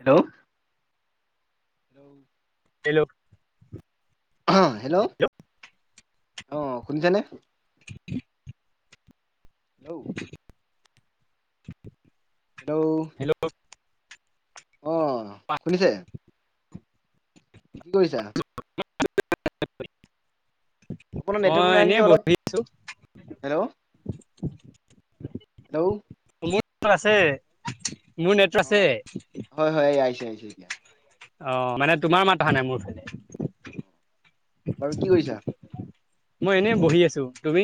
Hello, hello, অ, hello, অ, শুনিছানে। [inaudible] [inaudible] হেল্ল ', হেল্ল' অ, শুনিছে। কি কৰিছা? [unintelligible] আপোনাৰ মই নেটৱৰ্কটো নাই নেকি এনেই অলপ বহি আছো। হেল্ল' হেল্ল', মোৰ আছে মোৰ নেট অ আছে। হয় হয় [inaudible] অ, মানে তোমাৰ মাত আহা নাই মোৰ ফালে বাৰু কি কৰিছা? মই এনেই বহি আছো তুমি?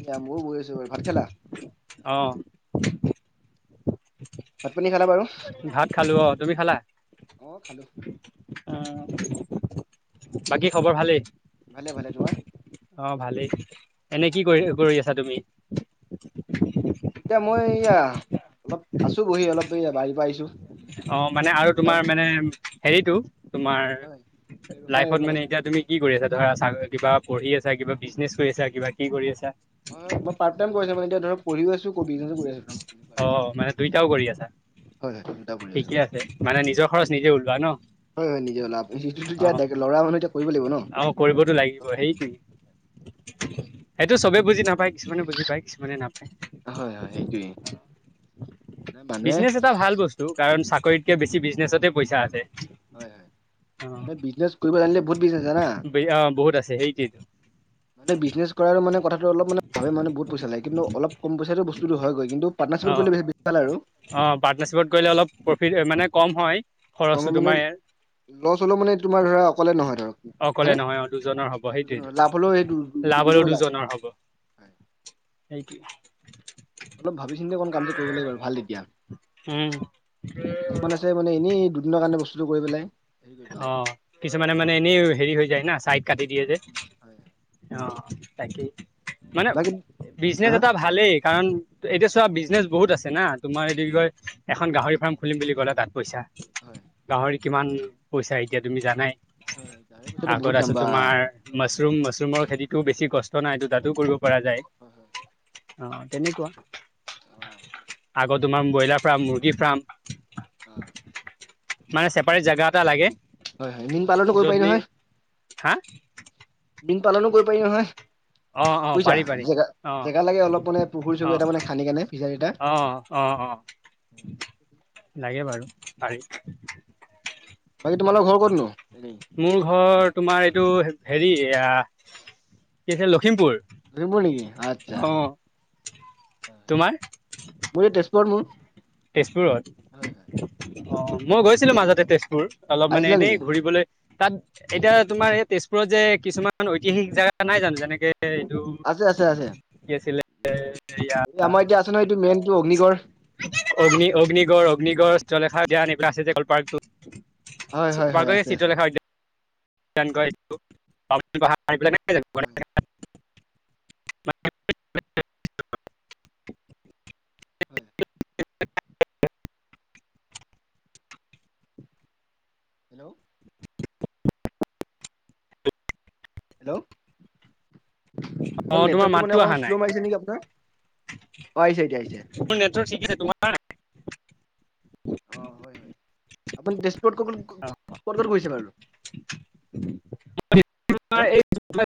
এয়া মইও বহি আছো বাৰু ভাত খালা? অ', ভাত পানী খালা বাৰু ভাত খালো অ, তুমি খালা? অ খালো অ, বাকী খবৰ ভালেই? ভালে - ভালে তোমাৰ। অ, ভালেই এনে কি কৰি- কৰি আছা তুমি? এতিয়া মই এয়া অলপ আছো বহি অলপ বাহিৰ পৰা আহিছো। অ, মানে অলপ আৰু ব্যৱসায় তোমাৰ মানে হেৰিটো তোমাৰ হয় ব্যৱসায় লাইফত অলপ মানে আছে এতিয়া তুমি কি কৰি আছা? ধৰা চা কিবা পঢ়ি আছে কিবা বিজনেছ কৰি আছা কিবা কি কৰি আছে। হয় - হয় মই পাৰ্ট টাইম কৰিছ মানে এতিয়া ধৰক পঢ়ি আছো। হয় অ মানে দুইটাও কৰি আছা - হয়। দুটা কৰি আছো ঠিকে আছে মানে নিজৰ খৰচ নিজে ওলোৱা ন। হয় - হয় নিজই লাভ হৈছে কিন্ত অ এতিয়া লৰা মানুহ এতিয়া কৰিব লাগিব ন। [inaudible] অ কৰিবতো লাগিব সেইটোৱে সেইটো চবেই বুজি নাপায় কিছুমানে বুজি পায় কিছুমানে নাপায়। হয় - হয় সেইটোৱেই নাই মানুহে বিজনেছ এটা ভাল বস্তু কাৰণ চাকৰিতকে বেছি বিজনেছতেই পইচা আছে। অ হয় হয় মানে বিজনেছ কৰিব জানিলে বহুত বিজনেছ জানা। - অ বহুত আছে এই এইটো মানে বিজনেছ কৰাাৰ মানে কথাটো অল মানে ভাবে মানে বহুত পইচা লাগে কিন্তু অল ক পইচাটো বস্তুটো হয়গৈ কিন্তু পাৰ্টনাৰশ্বিপত অ কৰিলে বেছি ভাল আৰু অ পাৰটনাৰশ্বিপত গলে অলপ প্ৰফিট মানে কম হয় কম খৰচটো মানে তোমাৰ ইয়াৰ লছ হলেও মানে তোমাৰ ধৰা অকলে নহয় ধৰক অকলে হয়নেে নহয় অ দু লাভ হলেও সেই দু লাভৰো দুজনৰ হ'ব উম থকউ কামটো কৰিব লাগিব ভাল তেতিয়া উম কিছুমান আছে মানে এনেই দুদিনৰ বস্তুটো কৰি পেলাই হেৰি কৰি অ পেলাই কিছুমানে মানে এনেই হেৰি হৈ যায় না ছাইড কাটি দিয়ে যে হয় হয় অ তাকেই মানে বাকী বিজনেচ হা এটা ভালেই কাৰণ এতিয়া চোৱা বিজনেছ বহুত আছে না তোমাৰ এদি কয় এখন গাহৰি ফাৰ্ম খুলিম বুলি ক'লে তাত পইচা হয় গাহৰি কিমান পইচা এতিয়া তুমি হয় গাড়ীৰ জানাই পইচাটো বহুত আগত দাম আছো বা তোমাৰ ম মাছৰুম মাছৰুমৰ খেতিতটোও বেছি কষ্ট নাই ত তাতো কৰিব পৰা যায় হয় হয় অ তেনেকুৱা আহ আগত তোমাৰ ব্ৰইলাৰ ফাৰ্ম মুৰ্গী ফাৰ্ম অ মানে চছেপাৰেট জোগা এটা লাগে হয় হয় মীন পাল্নটো কৰিব য'ত পাৰি নি নহয় হা বিীন পালনো কৰিব পাৰি নহয় অ অ বুজিছা পাৰি পাৰি জেগা অ জেগা লাগে অলপ মানে পুখুৰী অ চখুৰ এ মানে খান্দি কেনেে ফিচাৰীটা অ অ অ লাগে বাৰু পাৰি বাকী তোমালোকৰ ঘৰ ক'তনো হেৰি মোৰ ঘৰ তোমাৰ এইটো হেৰি কি আছে লখিমপুৰ আচছা অ তোমাৰ তে ক নি তেজপুৰত অ মই গৈছিলো মাজতে তেজপুৰ অলপ মানে আহিছিলা এনেই নেকি ঘূৰিবলৈ তাত এতিয়া তোমাৰ এই তেজপুৰত যে কিছুমান ঐতিহাসিক জোগা নাই জানো যেনেকে এইটো আছে আছে আছে কি আছিলে এয়া আমাৰ এতিয়া আছে নহয় এইটো মেইনতটো অগ্নিগড় অগ্নি অগ্নিগড় অগ্নিগড়লেখা দান এইবিলা আছে যে কলপাৰ্কটোত হয় হয় হয় পাৰে আছে চিত্ৰ আছে লখা হয়দ হয় হেল্ল' হেল্ল' অ অ', তোমাৰ নেটৱৰ্কটো মাতটো মানে অক অহা নাই শ্ল' মাৰিছে নেকি আপোনাৰ অ আহিছে এতিয়া আহিছে মোৰ নেটৱৰ্ক ঠিক আছে তোমাৰ অ হয় হয় আপুনি তেজপুৰত ক'তত ক'ত ক'ত গৈছে বাৰু হেল্ল তোমাৰ এই